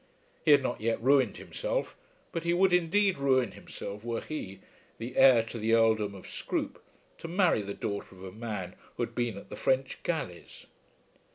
He had not yet ruined himself, but he would indeed ruin himself were he, the heir to the earldom of Scroope, to marry the daughter of a man who had been at the French galleys!